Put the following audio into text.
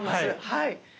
はい。